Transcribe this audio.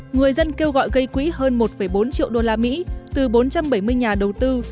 người dân kêu gọi gây quỹ hơn một bốn triệu usd từ bốn trăm bảy mươi nhà đầu tư